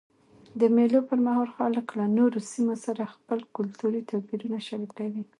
د مېلو پر مهال خلک له نورو سیمو سره خپل کلتوري توپیرونه شریکوي.